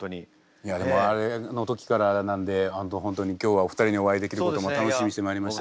いやでもあれの時からなんで本当に今日はお二人にお会いできることも楽しみにしてまいりました。